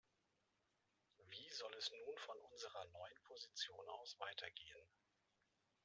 Wie soll es nun von unserer neuen Position aus weitergehen?